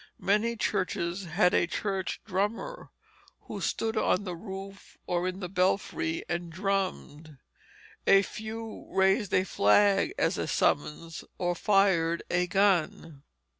Many churches had a church drummer, who stood on the roof or in the belfry and drummed; a few raised a flag as a summons, or fired a gun.